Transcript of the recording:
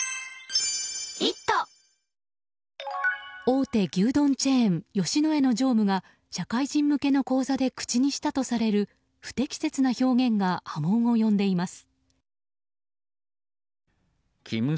大手牛丼チェーン吉野家の常務が社会人向けの講座で口にしたとされる不適切な発言が波紋を呼んでいます。